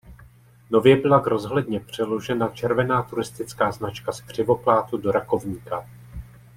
Nově byla k rozhledně přeložena červená turistická značka z Křivoklátu do Rakovníka.